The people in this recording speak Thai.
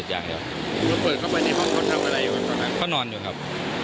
แล้วอีกคนละครับ